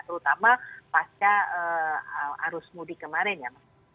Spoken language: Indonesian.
terutama pasca arus mudik kemarin ya